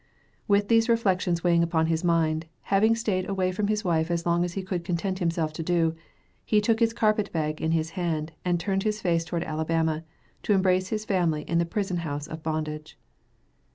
With these reflections weighing upon his mind, having stayed away from his wife as long as he could content himself to do, he took his carpet bag in his hand, and turned his face toward Alabama, to embrace his family in the prison house of bondage.